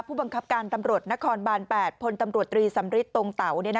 ผู้บังคับการตำรวจนครบาน๘พลตำรวจตรีสำริทตรงเตา